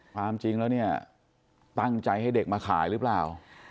ความจริงแล้วเนี่ยตั้งใจให้เด็กมาขายหรือเปล่า